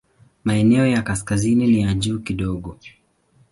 Maeneo ya kaskazini ni ya juu kidogo.